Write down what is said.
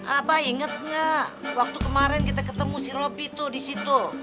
apa inget gak waktu kemarin kita ketemu si robby tuh disitu